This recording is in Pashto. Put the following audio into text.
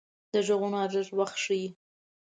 د غږونو ارزښت وخت ښيي